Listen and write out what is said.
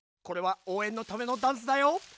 これはおうえんのためのダンスだよ。